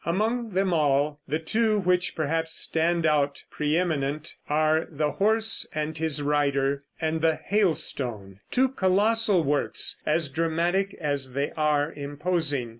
Among them all, the two which perhaps stand out pre eminent are "The Horse and His Rider" and the "Hailstone," two colossal works, as dramatic as they are imposing.